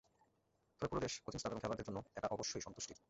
তবে পুরো দেশ, কোচিং স্টাফ এবং খেলোয়াড়দের জন্য এটা অবশ্যই সন্তুষ্টির।